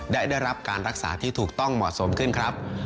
ได้รับการรักษาที่ถูกต้องเหมาะสมขึ้นครับ